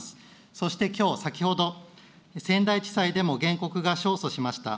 そしてきょう、先ほど、仙台地裁でも原告が勝訴しました。